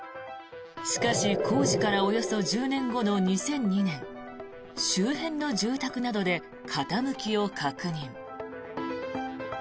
しかし、工事からおよそ１０年後の２００２年周辺の住宅などで傾きを確認。